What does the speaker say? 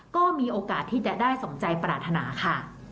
ก็มีโอกาสที่จะได้สมใจปรารถนาค่ะ